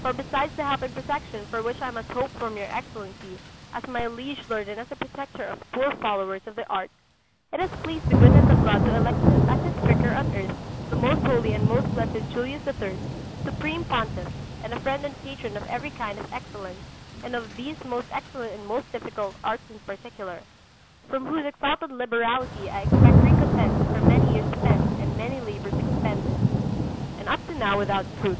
For besides the help and protection for which I must hope from your Excellency, as my liege lord and as the protector of poor followers of the arts, it has pleased the goodness of God to elect as His Vicar on earth the most holy and most blessed Julius III, Supreme Pontiff and a friend and patron of every kind of excellence and of these most excellent and most difficult arts in particular, from whose exalted liberality I expect recompense for many years spent and many labours expended, and up to now without fruit.